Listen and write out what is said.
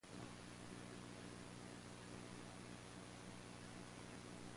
He learned to play the Harmonium during this period.